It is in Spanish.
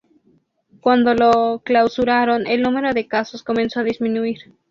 Cuando lo clausuraron, el número de casos comenzó a disminuir.